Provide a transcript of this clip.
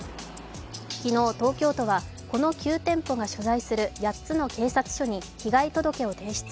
昨日、東京都はこの９店舗が所在する８つの警察署に被害届を提出。